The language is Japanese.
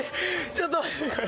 ちょっと待ってこれ。